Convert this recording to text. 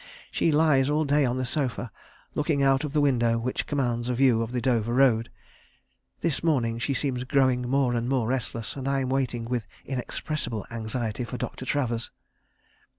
She lies all day on the sofa, looking out of the window, which commands a view of the Dover Road. This morning she seems growing more and more restless, and I am waiting with inexpressible anxiety for Dr. Travers.